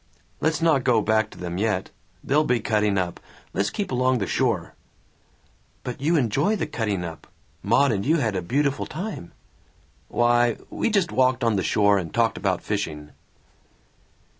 "Let's not go back to them yet. They'll be cutting up. Let's keep along the shore." "But you enjoy the 'cutting up!' Maud and you had a beautiful time." "Why! We just walked on the shore and talked about fishing!"